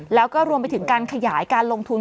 แล้วก็รวมไปถึงการขยายการลงทุน